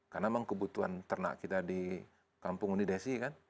karena memang kebutuhan ternak kita di kampung undi desi kan